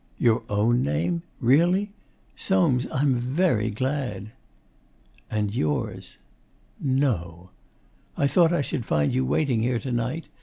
'Your own name? Really? Soames, I'm VERY glad.' 'And yours.' 'No!' 'I thought I should find you waiting here to night.